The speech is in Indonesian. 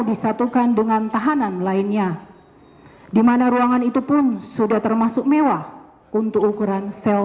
disatukan dengan tahanan lainnya dimana ruangan itu pun sudah termasuk mewah untuk ukuran sel